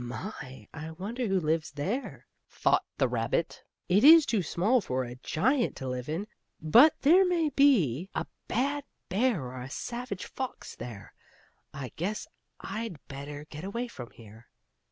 "My! I wonder who lives there?" thought the rabbit. "It is too small for a giant to live in, but there may be a bad bear or a savage fox in there. I guess I'd better get away from here."